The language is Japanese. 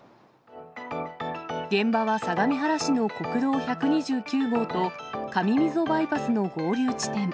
現場は相模原市の国道１２９号と、上溝バイパスの合流地点。